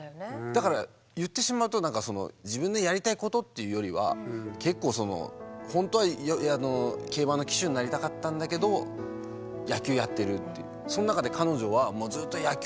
だから言ってしまうと自分のやりたいことっていうよりは結構その本当は競馬の騎手になりたかったんだけど野球やってるっていう。